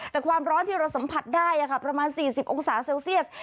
แต่ความร้อนที่เราสัมผัสได้ประมาณ๔๐องศาเซลเซียส